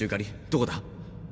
どこだ？